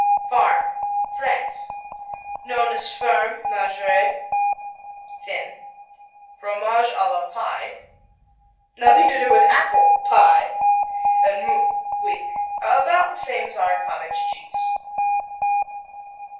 Farm France Known as Ferme; Maigre (thin); Fromage à la Pie (nothing to do with apple pie); and Mou (weak). About the same as our cottage cheese.